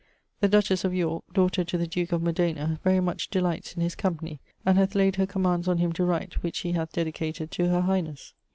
The dutches of Yorke (daughter to the duke of Modena) very much delights his company, and hath layed her commands on him to write, which he hath dedicated to her highnes.